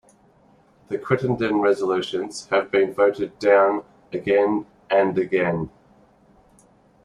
The Crittenden resolutions have been voted down again and again.